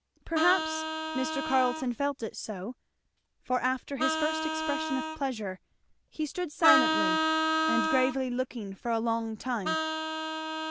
Perhaps Mr. Carleton felt it so, for after his first expression of pleasure he stood silently and gravely looking for a long time.